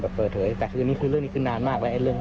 มันซื้อแรงขึ้นมากเลย